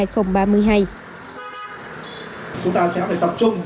chúng ta sẽ phải tập trung